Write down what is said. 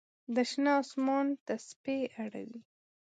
د شنه آسمان تسپې اړوي